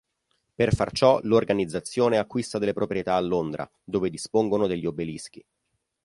Per far ciò l'organizzazione acquista delle proprietà a Londra dove dispongono degli obelischi.